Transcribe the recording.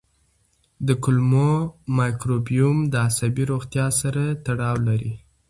د کولمو مایکروبیوم د عصبي روغتیا سره تړاو لري.